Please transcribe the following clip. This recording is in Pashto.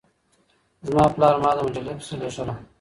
زما پلار ما د مجلې په پسې لېږله.